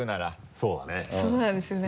そうなんですよね。